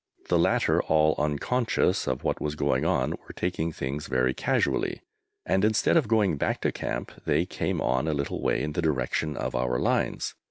The latter, all unconscious of what was going on, were taking things very casually, and instead of going back to camp, they came on a little way in the direction of our lines.